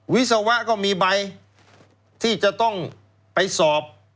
วิศวะก็มีใบที่จะต้องไปสอบ